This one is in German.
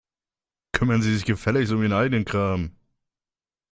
Kümmern Sie sich gefälligst um Ihren eigenen Kram.